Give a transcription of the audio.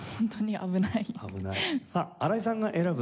危ない。